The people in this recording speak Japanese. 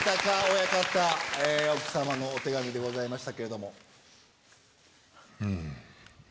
親方奥様のお手紙でございました。